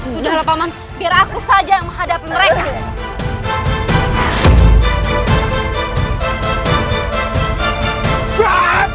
sudah lah paman biar aku saja yang menghadapi mereka